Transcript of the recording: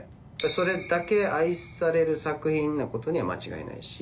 それだけ愛される作品なことには間違いないし。